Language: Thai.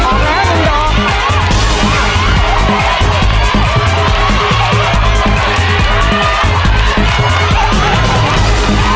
ไม่ออกตายเร็ว